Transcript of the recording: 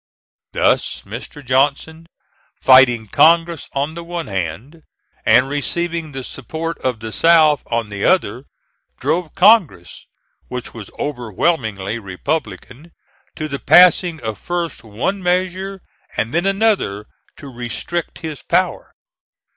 Thus Mr. Johnson, fighting Congress on the one hand, and receiving the support of the South on the other, drove Congress, which was overwhelmingly republican, to the passing of first one measure and then another to restrict his power.